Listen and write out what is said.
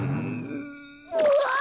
うわ！